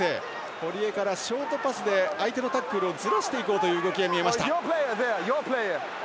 堀江からショートパスで相手のタックルをずらす動きが見えました。